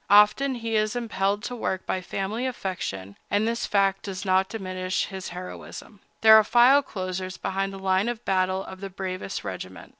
Often he is impelled to work by family affection, but this fact does not diminish his heroism. There are file closers behind the line of battle of the bravest regiment.